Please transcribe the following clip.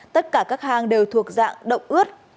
tất cả các hang đều thuộc dạng động ướt